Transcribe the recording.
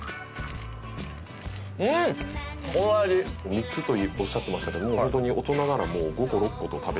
３つとおっしゃってましたけどもうホントに大人ならもう５個６個と食べて頂いて。